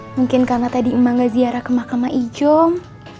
mungkin karna tadi ema ga ziara ke mahkamah ijom